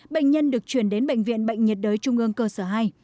bệnh nhân được chuyển đến bệnh viện bệnh nhiệt đới trung ương cơ sở hai